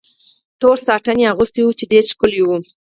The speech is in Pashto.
تور ساټن یې اغوستی و، چې ډېر ښکلی و.